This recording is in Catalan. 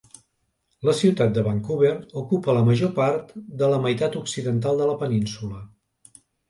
La ciutat de Vancouver ocupa la major part de la meitat occidental de la península.